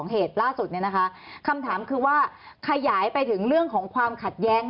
หรือเปล่าคำถามว่าขยายไปถึงเรื่องของความขัดแย้ง